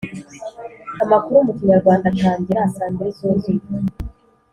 Amakuru mukinyarwanda atangira saa mbiri zuzuye